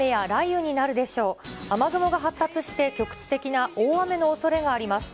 雨雲が発達して、局地的な大雨のおそれがあります。